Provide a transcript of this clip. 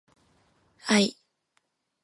愛